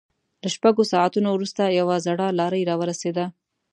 له شپږو ساعتونو وروسته يوه زړه لارۍ را ورسېده.